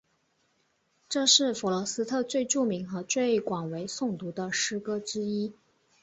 这是弗罗斯特最著名和最广为诵读的诗歌之一。